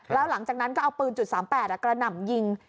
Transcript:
แล้วหลังจากนั้นก็เอาปืน๓๘กระหน่ำยิง